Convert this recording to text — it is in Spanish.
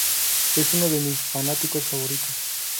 es uno de mis fanáticos favoritos